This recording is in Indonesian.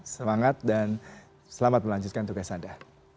semangat dan selamat melanjutkan tugas anda